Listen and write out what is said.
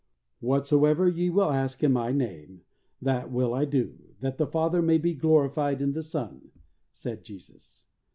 "Whatsoever ye will ask in My name that will I do, that the Father may be glorified in the Son," said Jesus.